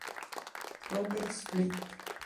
Robert Smith